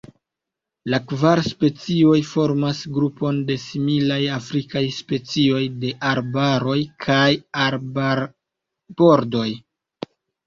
La kvar specioj formas grupon de similaj afrikaj specioj de arbaroj kaj arbarbordoj.